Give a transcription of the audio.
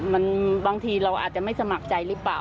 บางทีเราอาจจะไม่สมัครใจหรือเปล่า